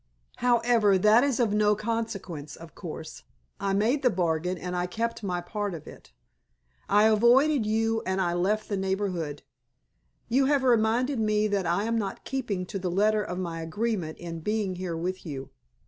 However, that is of no consequence, of course. I made the bargain, and I kept my part of it. I avoided you, and I left the neighborhood. You have reminded me that I am not keeping to the letter of my agreement in being here with you.